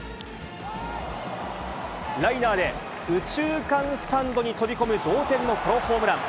ライナーで右中間スタンドに飛び込む同点のソロホームラン。